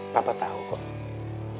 papa tahu kok